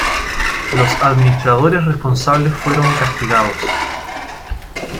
Los administradores responsables fueron castigados.